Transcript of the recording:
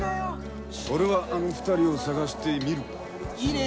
俺はあの２人を捜してみるいいね